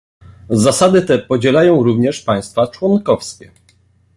Zasady te podzielają również państwa członkowskie